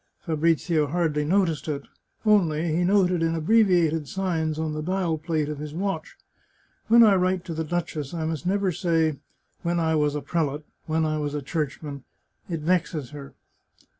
Fabrizio hardly noticed it ; only he noted in abbreviated signs on the dial plate of his watch, " When I write to the duchess I must never say ' when I was a prelate, when I was a churchman '— it vexes her."